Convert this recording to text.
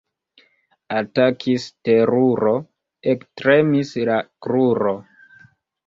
Atakis teruro, ektremis la kruro.